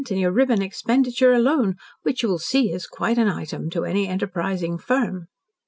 in your ribbon expenditure alone, which you will see is quite an item to any enterprising firm."